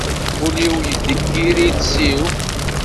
Ul-iw yeddeggir iles-iw.